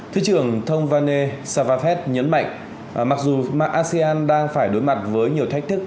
thưa trưởng thông phan nê savanphet nhấn mạnh mặc dù asean đang phải đối mặt với nhiều thách thức